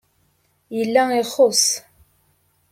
Yella ixuṣṣ.